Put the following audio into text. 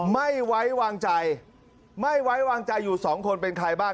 ไม่ไว้วางใจไม่ไว้วางใจอยู่สองคนเป็นใครบ้าง